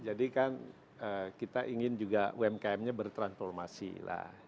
jadi kan kita ingin juga umkmnya bertransformasi lah